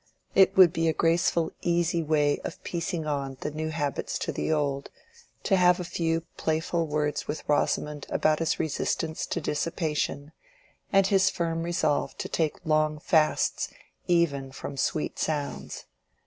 It would be a graceful, easy way of piecing on the new habits to the old, to have a few playful words with Rosamond about his resistance to dissipation, and his firm resolve to take long fasts even from sweet sounds.